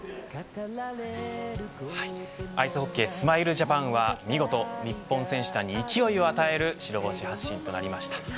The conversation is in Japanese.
アイスホッケースマイルジャパンは見事、日本選手団に勢いを与える白星発進となりました。